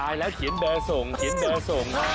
ใช่แล้วเขียนแบร์ส่งเขียนแบร์ส่ง